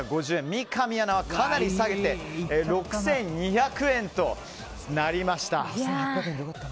三上アナはかなり下げて６２００円となりました。